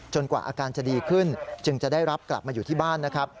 กว่าอาการจะดีขึ้นจึงจะได้รับกลับมาอยู่ที่บ้านนะครับ